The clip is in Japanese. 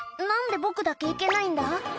何で僕だけ行けないんだ？」